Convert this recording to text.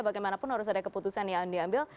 bagaimanapun harus ada keputusan yang diambil